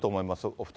お２人。